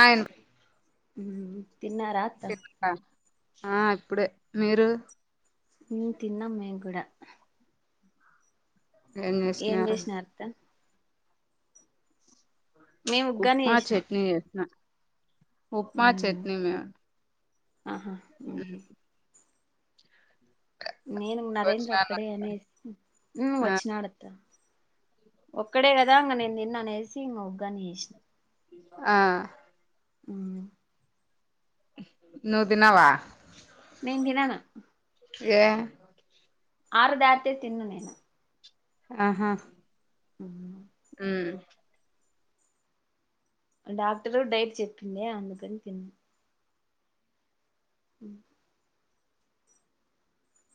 ఆయన్ హుమ్ తిన్నరా అత్త వినిపిస్తుందిరా ఆ ఇప్పుడే మీరు హుమ్ తిన్నాం మేమ్ గూడా ఏం జేసినార్ అత్త మేము ఉగ్గాని ఉప్మా చేసినా చట్నీ జేసిన ఉప్మా అవునా చట్నీ రా ఆహా హుమ్ హు నేను నరేంద్ర వచ్చినాను ఒక్కడే అనేసి హుమ్ ఆ వచ్చినాడత్త ఒక్కడే గదా ఇంగ నేను తిన్ అనేసి ఇంగ ఉగ్గాని జేసినా ఆ హుమ్ నువ్వు దినవా నేన్ దినను ఏ ఆరు దాటితే తినను నేను ఆహా హుమ్ హుమ్ డాక్టరు డైట్ చెప్పిందా అందుకని తినను హుమ్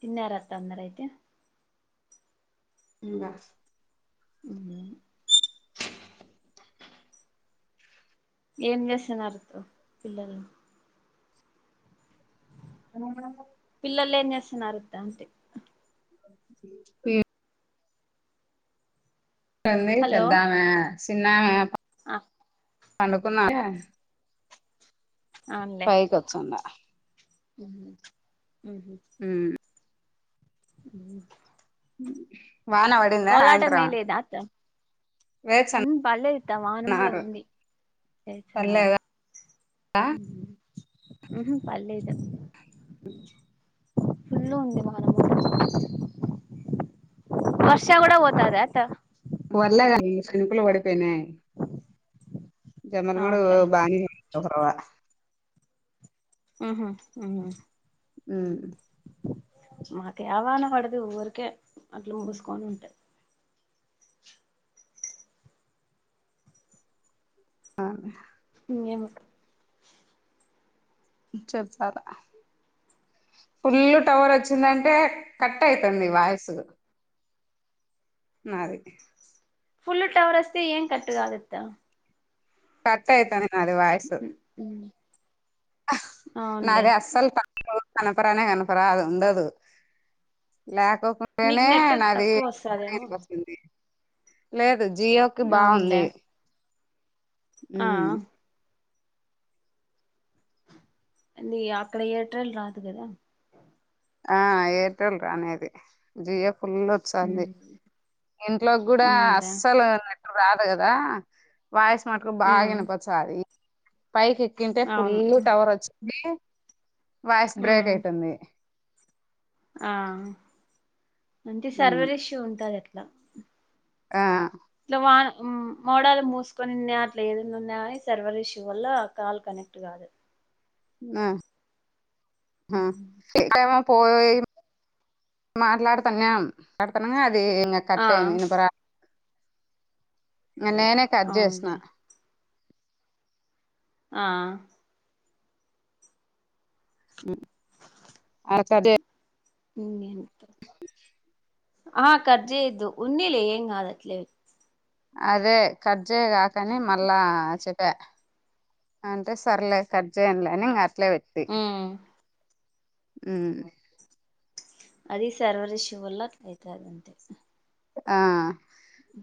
తిన్నారా అత్త అందరు అయితే ఇంగ హుమ్ హూ ఏం జేస్తున్నారత్త పిల్లలు ఎవరెవరు పిల్లలు ఏం జేస్తున్నారత్తా అంటి ఏ ఉంది హలో పెద్దామే చిన్నామే ఆ పండుకున్నాలే పైకి వచ్చిండా హుమ్ హు హుమ్ హు హుమ్ హుమ్ హుమ్ వాన వత్ కొలాటం ఎయ్యలేద అత్తా హుమ్ వేచన్నారు పల్లేదు అత్తా వానం మాడం ఉంది అయితుంద పల్లేదా మీకీ పల్లేద [unintelligible] వర్ష గుడా పోతద అత్త వెళ్ళలే చినుకులు పడిపోయినాయి జమ్మలమడుగు అవునులే పోయి బెంగుళూర్ పోతారా హుమ్ హూ హుమ్ హుమ్ మాకేవానపడదు ఊరికే అట్లు మూసుకొని ఉంటది అవును ఇంకేమీ చెప్పారా ఫుల్ టవర్ వచ్చిందంటే కట్ అయితుంది వాయిసు అది ఫుల్ టవర్ వస్తే ఏం కట్ కాదత్త కట్ అయితాంది నాది వాయిసు హ్మ్ నాది అస్సలు [unintelligible] కనపరానే కనపరా అది ఉండదు లేకోకు మీకు టేనే నెట్ నాది తక్కువ వస్తదేమో [unintelligible] లేదు జియోకి అవునులే బాగుంది ఆ హ్మ్ అ అక్కడ ఎయిర్టెల్ రాదు కదా ఆ ఎయిర్టెల్ రా అనేది జియో ఫుల్ వస్తాంది ఇంట్లోకి కూడా ఉందా అస్సలు రాదు కదా వాయిసు మటుకు బాగా వినపచ్చ అది పైక్ ఎక్కింటే ఫుల్ అవును టవర్ వచ్చింది వాయిస్ బ్రేక్ అవుతుంది ఆ అంటే సర్వర్ ఇష్యూ ఉంటాది అట్లా ఆ ఇట్లా వాన మోడలు మూసుకొని ఉన్నాయా అట్లా ఏదైన్నా ఉన్నాగాని సర్వర్ ఇష్యూ వల్ల కాల్ కని కుట్ కాదు హ్మ్ మ్మ్ సమ పోయి మాట్లాడతన్నా మాట్లాడుతనంగా అది ఆ కట్ అయింది వినపల నేనే కట్ చేసిన అవునులే ఆ హ్మ్ దే ఆ కట్ చేయొద్దు ఉంనీలే ఏం కాదు అట్లే అదే కట్ చేయగాకని మళ్ళా చెప్పా అంటే సర్లే కట్ చేయనులే అని ఇంకా అట్లే పెట్తి ఉమ్ హ్మ్ అది సర్వర్ ఇష్యూ వల్ల అయితాద అంతే ఆ స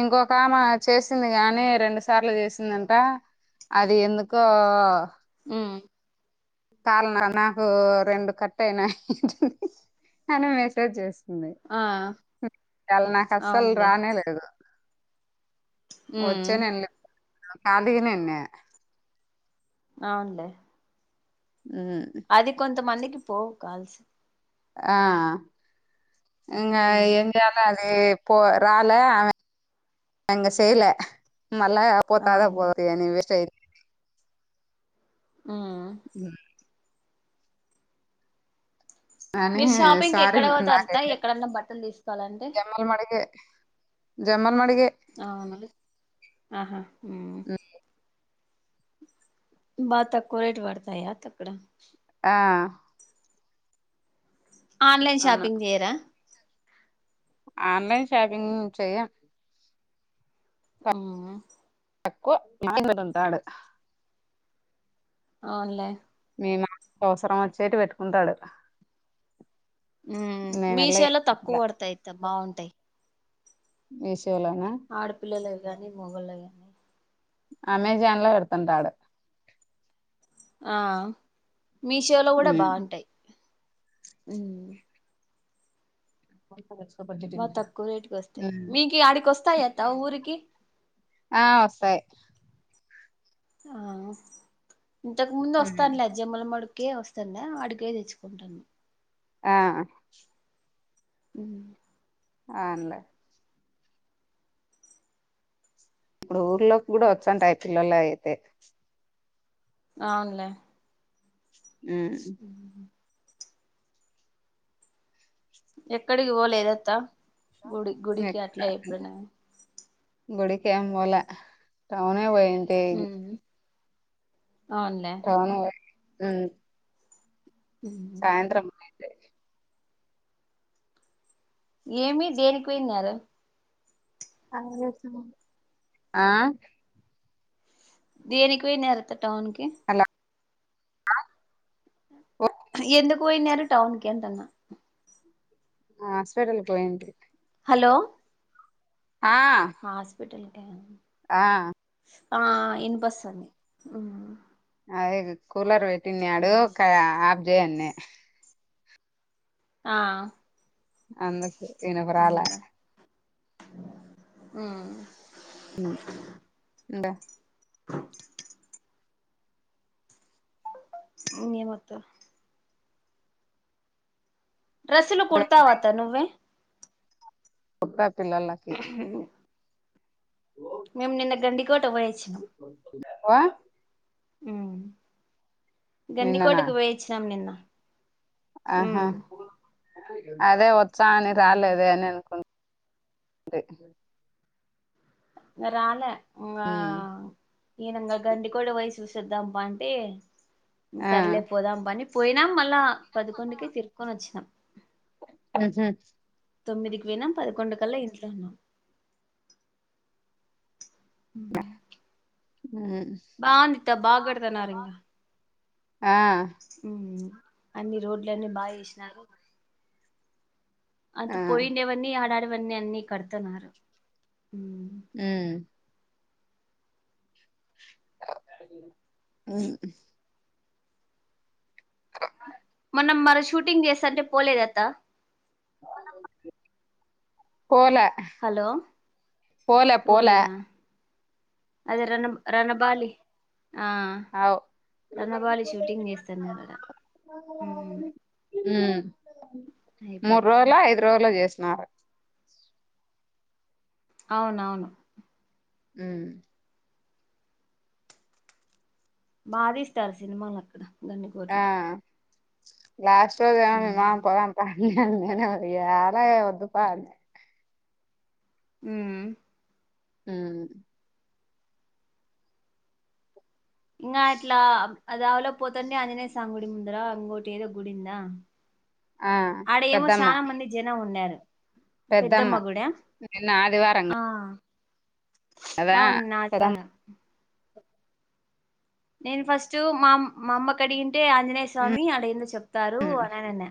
ఇంకొకామ చేసింది గాని రెండు సార్లు చేసిందంట అది ఎందుకో హ్మ్ కాల్ నాకు రెండు కట్ అయినాయి అని మెసేజ్ చేస్ ది ఆ ఇవాళ నాకు అస్సలు అవునులే రానే లేదు ఉమ్ వచ్చె నెల లో కాదికిినన్న అవునులేే హ్మ్ అది కొంతమందికి పోవు కాల్సు ఆ ఇంగ ఉమ్ ఏం చేత్ అది పో రాల ఆమె ఇంగ చేయల మళ్ళ పోతాదా అవునులే పోదా అని వేస్ట్ అయితుంది హ్మ్ హు అనీ మీరు షాపింగ్కి సరి ఎక్కడ పోతారు నాక అత్త అయితే ఎక్కడన్నా బట్టలు తీసుకోవాలంటే ఎమల్ మకి జమల్ మడిగే ఆవున ఆహా ఉ బా తక్కువ రేట్ పడతాయా అత్త అక్కడ ఆ ఆన్లైన్ అవును షాపింగ్ చెయ్యరా ఆన్లైన్ షాపింగ్ చెయ్య ఆ తక్కో [unintelligible] రాడు అవునులే మీ మామకి అవసరం వచ్చేటి పెట్టుకుంటాడు ఉమ్ నేనెల్ల మీషోలో తక్కువ ఏట్లా పడతాయి బాగుంటాయి విషోలోనా ఆడపిల్లలకు కానీ మొగళ్ళకు కానీ అమెజాన్ లో పెడుతుంటాడు ఆ మీషోలో కూడా ఉమ్. బాగుంటాయి కొనుక్కోవచ్చు బా తక్కువ రేటుకి వస్తాయి మీకి అడికి వస్తాయి అత్త ఊరికి ఆ వస్తాయి ఆ ఇంతకు ముందు ఉమ్. వస్తానులే జమ్ముల మడుకి వస్తుండ అడ్డకి తెచ్చుకుంటాను ఆ ఉమ్ అనలే ఇప్పుడు ఊర్లోకి కూడా వచ్చాంటాయి పిల్లలైయితే అవునులే ఉమ్ ఎక్కడికి పోలేదత్తా గుడి గుడికి అట్లా ఎప్పుడనా గుడికి ఏం పోలే టౌనే పోయి ఉహూ అవునులే అనే హ్మ్ హు పోయింటి ఏమి దేనికి పోన్నారు ఆ దేనికి పోనైరత్త టౌన్ కి ఒ ఎందుకు పోయినారు టౌన్ కి అంటన్నా ఆ హాస్పిటల్కి పోయిండు హలో ఆ హాస్పిటల్క ఆ ఆ ఇన్ బస్ంది ఆ అది కూలర్ పెట్టినాడు ఆఫ్ చేయన్నే ఆ అందుక అవుంద ఉమ్ ఉమ్ ఉండ ని ఏం ఒద్దు డ్రెస్సులు కుడతావాత నువ్వే కొత్త పిల్లలాకి అ మేము నిన్న గండికోటకి పోచ్చినాం ఆ నిన్ననా గండికోటకు పోయిచ్చినాం నిన్న ఆహా అదే వచ్చా అని రాలేదే ఇంగ అని అనుకు దే రాల ఇంగ ఈయన ఇంక గండీ కోట కి పోయి చూసి చూద్దాం ప అంటే ఆ సర్లేపోదాం పా పోయినాం మళ్ళా పదకొండుకి తిరుకొని వచ్చినాం ఆహా తొమ్మిదికి వెనం పదికొండు కల్లా ఇంట్లన్నాం ఆ బాగుంది బాగడతనారంగ ఆ ఉమ్ అన్ని రోడ్లన్నీ బాగా చేసినారు అంత ఆ పోయిండేవన్నీ ఆడాడవన్నీ అన్ని కడుతున్నారు ఉ ఉ మొన్న మనం షూటింగ్ చేస్తంట పోలేదత్తా పోలే హలో పోలే పోలే పోలేదా అదే రణ రణబాలి ఆ అవు రణబాలి షూటింగ్ చేస్తానరు ఆడ ఉమ్ అయిపాయ్ మూడు రోజులో ఐదు రోజులో చేసినారు అవునవును ఉ బా తీస్తారు సినిమాలక్కడ ఆ లాస్ట్ రోజు కదా ఏ మా మ్మ్ పోదాం పా నేను ఆలా వద్దుపా ఉ హ ఇంకా అట్లా దావలో పోతుండి అంజనేయ సాంగడి ముందర ఇంకోటి ఏదో గుడిందా ఆ ఆడేమో పెద్దమ్మ చానా మంది జనం ఉన్నారు పెద్దమ్మ గుడి నిన్న ఆదివారం ఆ కదా అవును నిన్న పెద్దమ్మ ఆదివారం నేను ఫస్ట్ మా మా అమ్మ కి అడిగింటే ఆంజనేయ ఉమ్ స్వామి అడేందో చెప్తారు అని అనిన్న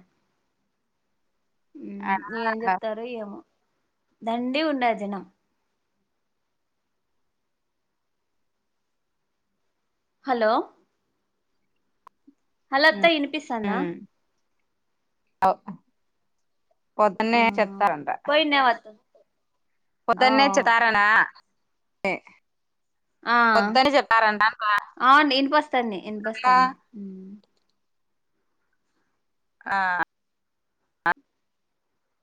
ఆ ఏం చెప్తారు ఏమో దండిగ ఉన్నారు జనం హలో హలో ఉమ్ అత్తా వినిపిస్తానా అవ్ వతన్నే చెత్తారంట కిన్యవాద్ పోదన్నే చిదారణ. ఆ అవ్ ఇనపిస్తండి ఇనపిస్తంది ఆ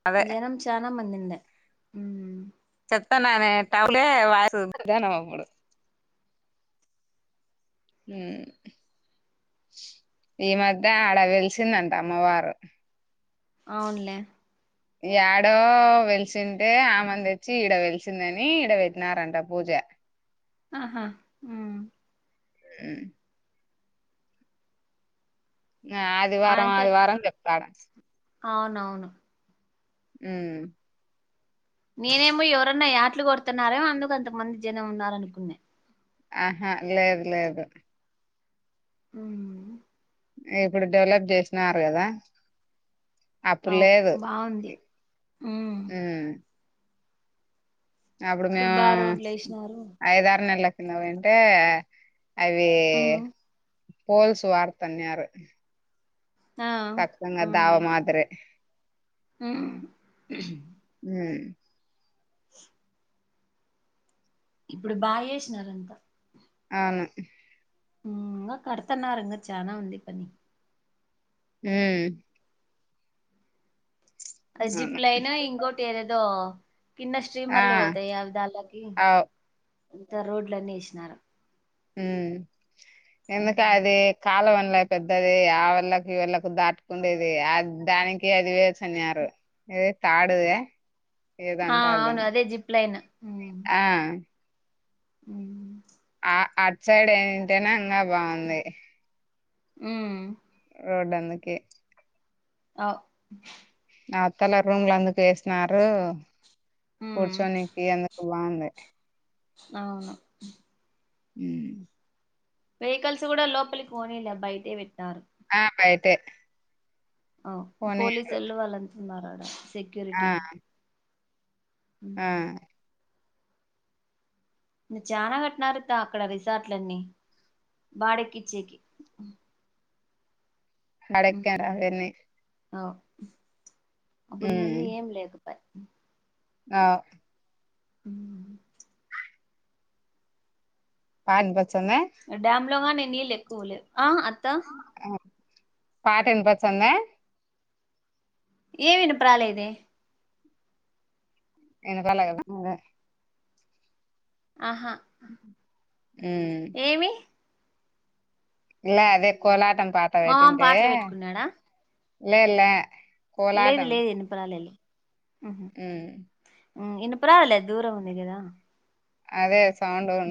అదే జనం చానా మంది దిన్లా చెప్తానునే టౌలే వాయిసు అప్పుడు. ఈ మధ్య ఆడ వెలిసిందంట అమ్మవారు. అవునులే యాడో వెలిసింటే ఆ మంది తెచ్చి ఈడ వెలిసిందని ఈడ పెట్నారంట పూజ. ఆహా ఆ ఆదివారం అంతే ఆదివారం చెప్తారా. అవునవును ఉమ్మ్ నేనేమో ఎవరన్నా యాట్లు కొడుతున్నారో అందుకు అంతమంది జనం ఉన్నార అనుకున్నా. ఆహా లేదు లేదు. ఉమ్మ్ ఇప్పుడు డెవలప్ చేసినారు గదా. అప్పుడు అవు లేదు. బాగుంది ఉమ్ అప్పుడు ఇప్పుడు మేము బాగా రోడ్లు వేసినారు ఐదారు నెలల కింద పోయి ఉంటే అవి ఉమ్ పోల్సు వాడుతున్నారు. ఆ సక్కసంగా దావ మాత్రే ఆ హ్మ్మ్ ఇప్పుడు బాగా చేసినార అంతా అవును ఇంగా కడతన్నారు చానా ఉంది పని హ్మ్మ్ అ అవును జిప్లైనా ఇంకోటి ఏరదో కింద ఆ స్ట్రీమర్లు పోతాయి ఆ విధళకి అవు ఇంత రోడ్లన్నీ ఎసినారు ఎందుకా ఉమ్ అది కాలవన్ల పెద్దది ఆ వాళ్ళకి ఈ వాళ్ళకి దాటుకుండేది ఆ దానికి ‌. కి అదివేచ్చనారు ఏద తాడిదా ఆ అవును అదే జిప్లైన్ ఆ హ్మ్మ్ అట్ సైడ్ ఏంటేనే ఇంగా బాగుంది హ్మ్మ్ రోడ్ అందుకే అవ్ నా అత్తల రూమ్ల అందుకు ఏసన్నారు ఉమ్ కూర్చోడానికి ఎందుకు వాందే అవును ఉమ్ వెహికల్స్ కూడా లోపలికి పోనీలే బయటే పెట్టినారు ఆ బయిటే ఆ పోలీసోల్లు వాళ్ళంతా వున్నారాడ ఆ సెక్యూరిటీ ఆ ఉమ్ నీ చానా కట్నారట అక్కడ రిసార్ట్లన్నీ బాడిక్కిచ్చేకి ఉమ్ అడక్కాను అవన్నీ అవ్ అప్పుడు ముందు ఏం లేక పోయ్ అవ్ ఉమ్ బా ఇన్పచందా డ్యామ్ లో గానీ నీళ్ళు ఎక్కువ లేవు ఆ అత్తా ఆ పాట ఇనపచ్చాన్ద ఏం ఇనపరాలేదే ఇన్పరాల్లె కదా ఉమ్ ఆహా ఉమ్ ఏమి లే అదే కోలాటం పాట మా మామ పెట్టుంటే పాటలు పెట్టుకున్నాడా లే లే లేదు కోలాటం లేదు ఇన్నపరాలేదులే ఉహు ఉమ్ ఉమ్ యినపరాదులే దూరం ఉందికదా అదే సౌండ్ ఉన్